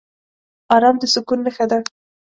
ارام د سکون نښه ده.